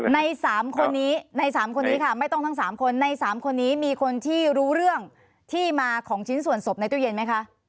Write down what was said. ใน๓คนนี้ใน๓คนนี้ค่ะไม่ต้องทั้ง๓คนใน๓คนนี้มีคนที่รู้เรื่องที่มาของชิ้นส่วนศพในตู้เย็นไหมคะ